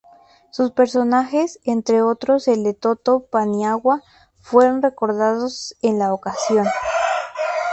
Sus personajes, entre otros el de Toto Paniagua, fueron recordados en la ocasión.